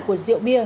của rượu bia